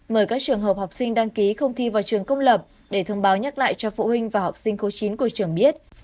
mời các trường hợp học sinh đăng ký không thi vào trường công lập để thông báo nhắc lại cho phụ huynh và học sinh khối chín của trường biết